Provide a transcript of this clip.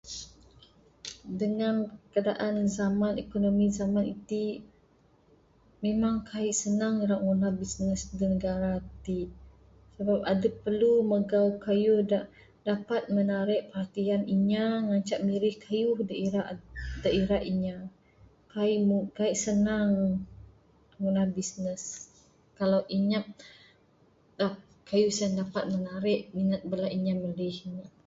Dengan keadaan zaman ekonomi zaman iti, memang kaik senang ra ngunah bisnes da negara ti, sebab adup perlu magau kayuh da dapat menarik perhatian inya ngancak mirih kayuh da ira, da ira inya. Kaik mu kaik senang ngunah bisnes, kalau inyap, da kayuh sien dapat menarik minat bala inya mirih ne.